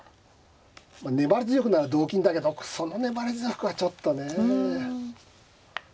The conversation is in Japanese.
粘り強くなら同金だけどその粘り強くはちょっとねえ。